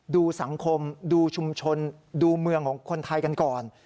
ดูสังคมดูชุมชนดูเมืองของคนไทยกันก่อน